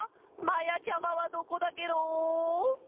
まやちゃまはどこだケロ！